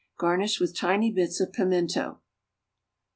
Garnish with tiny bits of pimento.